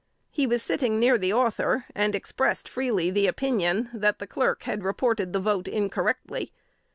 He was sitting near the Author, and expressed freely the opinion, that the Clerk had reported the vote incorrectly.